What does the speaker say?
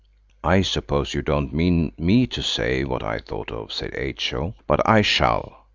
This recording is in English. "I suppose you don't mean me to say what I thought of," said H.O., "but I shall.